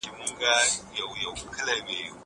زه پرون د کتابتوننۍ سره خبري وکړې!